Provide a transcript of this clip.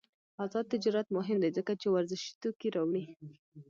آزاد تجارت مهم دی ځکه چې ورزشي توکي راوړي.